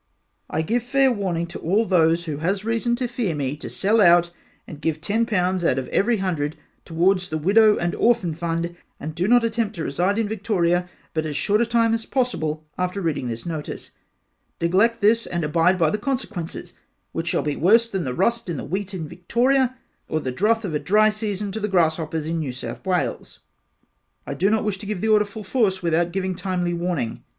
I give fair warning to all those who has reason to fear me to sell out and give P10 out of every hundred towards the widow and orphan fund and do not attempt to reside in Victoria but as short a time as possible after reading this notice, neglect this and abide by the consequences, which shall be worse than the rust in the wheat in Victoria or the druth of a dry season to the grasshoppers in New South Wales I do not wish to give the order full force without giving timely warning.